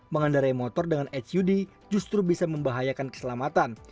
mengendarai motor dengan sud justru bisa membahayakan keselamatan